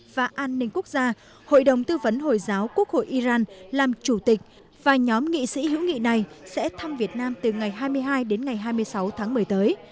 và an ninh quốc gia hội đồng tư vấn hồi giáo quốc hội iran làm chủ tịch và nhóm nghị sĩ hữu nghị này sẽ thăm việt nam từ ngày hai mươi hai đến ngày hai mươi sáu tháng một mươi tới